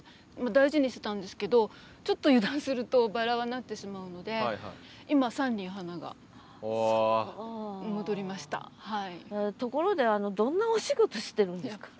大事にしてたんですけどちょっと油断するとバラはなってしまうので今ところでどんなお仕事してるんですか？